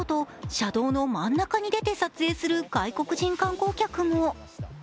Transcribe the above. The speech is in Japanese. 車道の真ん中に出て撮影する外国人観光客も。